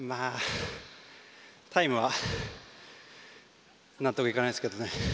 タイムは納得いかないですけどね。